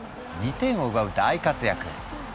２点を奪う大活躍！